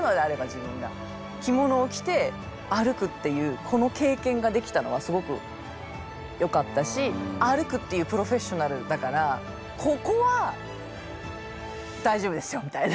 着物を着て歩くっていうこの経験ができたのはすごくよかったし歩くっていうプロフェッショナルだからここは大丈夫ですよみたいな。